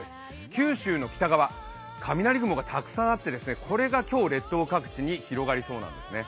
九州の北側、雷雲がたくさんあって、これが今日列島各地に広がりそうなんです。